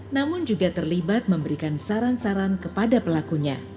namun juga terlibat memberikan saran saran kepada pelakunya